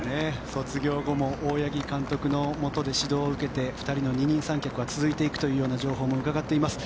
卒業後も大八木監督のもとで指導を受けて２人の二人三脚は続いていくという情報も伺っています。